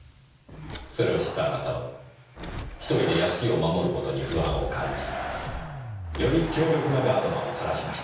それを知ったあなたは１人で屋敷を守る事に不安を感じより強力なガードマンを探しました。